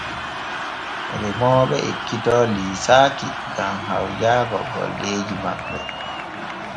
Remooɓe ekkito liisaaki gam hawjaago golleeji maɓɓe.